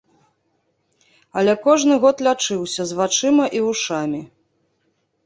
Але кожны год лячыўся з вачыма і вушамі.